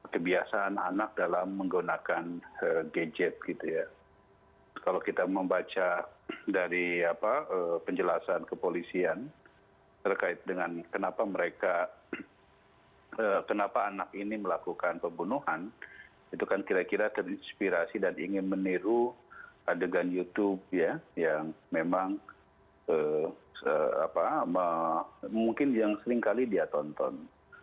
kenapa anak ini melakukan pembunuhan itu kan kira kira terinspirasi dan ingin meniru adegan youtube yang memang mungkin yang seringkali dia tonton